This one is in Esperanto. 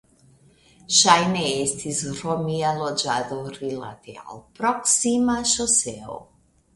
Ŝajne estis romia loĝado rilate al proksima ŝoseo.